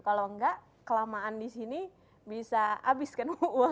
kalau enggak kelamaan di sini bisa abis kan uangnya